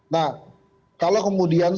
nah kalau kemudian